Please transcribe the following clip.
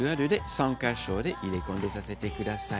３か所に入れ込んでください。